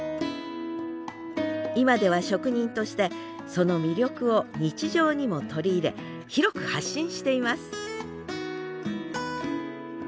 今では職人としてその魅力を日常にも取り入れ広く発信しています